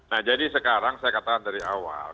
nah jadi sekarang saya katakan dari awal